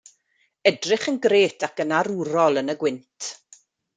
Edrych yn grêt ac yn arwrol yn y gwynt.